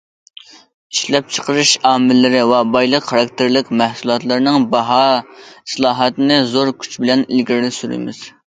ئىشلەپچىقىرىش ئامىللىرى ۋە بايلىق خاراكتېرلىك مەھسۇلاتلارنىڭ باھا ئىسلاھاتىنى زور كۈچ بىلەن ئىلگىرى سۈرىمىز.